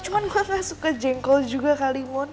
cuman gue gak suka jengkol juga kalimun